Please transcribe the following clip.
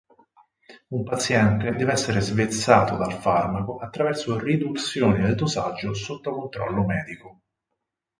Un paziente deve essere svezzato dal farmaco attraverso riduzioni del dosaggio sotto controllo medico.